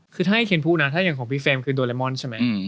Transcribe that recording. คือถ้าให้เคนพูดนะถ้าอย่างของพี่เฟรมคือโดเรมอนใช่ไหม